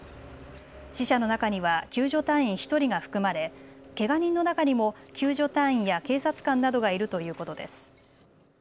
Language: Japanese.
死者の中には救助隊員１人が含まれ、けが人の中にも救助隊員や警察官などがいるということです。